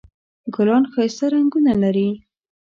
ګلان ښایسته رنګونه لري